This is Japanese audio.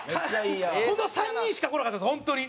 この３人しか来なかったんです本当に。